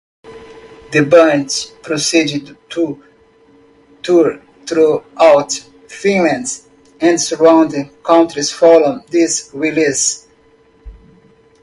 The band proceeded to tour throughout Finland and surrounding countries following this release.